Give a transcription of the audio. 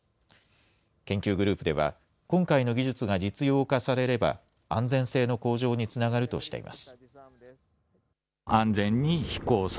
研究グループでは、今回の技術が実用化されれば、安全性の向上につながるとしています。